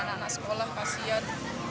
anak anak sekolah kasian